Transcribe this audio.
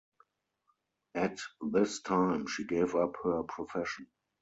At this time, she gave up her profession.